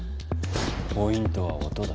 ポイントは音だ。